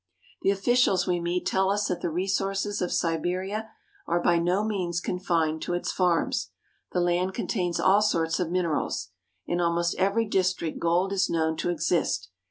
The officials we meet tell us that the resources of Siberia are by no means confined to its farms. The land contains all sorts of minerals. In almost every district gold is known to exist.